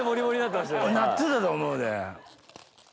なってたと思うで。